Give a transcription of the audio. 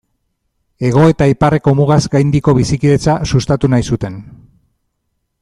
Hego eta Iparreko mugaz gaindiko bizikidetza sustatu nahi zuten.